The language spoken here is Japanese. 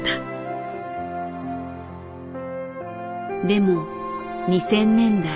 でも２０００年代。